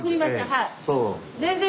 はい。